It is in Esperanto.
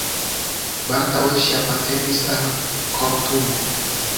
Baldaŭe ŝi apartenis al kortumo.